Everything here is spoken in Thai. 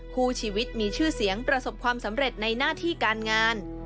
คู่ชีวิตมีชื่อเสียงประสบความสำเร็จในหน้าที่การงาน